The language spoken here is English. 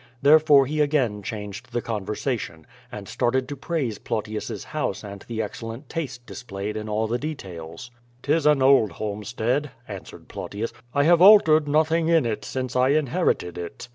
Therefore he again changed the conversation, and started to praise Plautius's house and the excellent taste displayed in all the details. " *Tis an old homestead," answered Plautius. "I have al tered nothing in it since I inherited it."